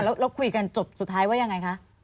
แล้วคุยกันจบสุดท้ายว่ายังไงคะ